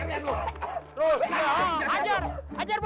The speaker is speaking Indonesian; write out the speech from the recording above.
dijamin tidak akan terjadi apa apa